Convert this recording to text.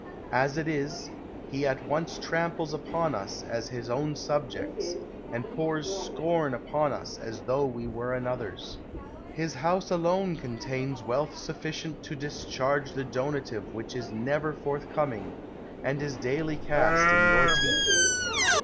As it is, he at once tramples upon us as his own subjects, and pours scorn upon us as tho we were another's. His house alone contains wealth sufficient to discharge the donative which 246 OTHO is never forthcoming, and is daily cast in your teeth.